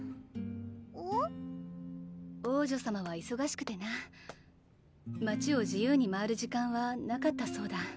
王女さまはいそがしくてな街を自由に回る時間はなかったそうだ